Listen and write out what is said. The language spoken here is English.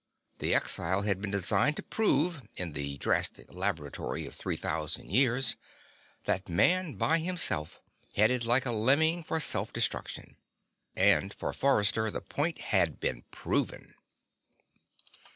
The exile had been designed to prove, in the drastic laboratory of three thousand years, that Man by himself headed like a lemming for self destruction. And, for Forrester, the point had been proven.